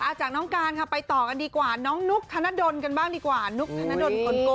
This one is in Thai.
จากน้องการค่ะไปต่อกันดีกว่าน้องนุ๊กธนดลกันบ้างดีกว่านุ๊กธนดลคนโก